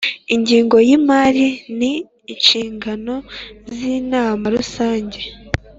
ingingo y imari n inshingano z inama rusange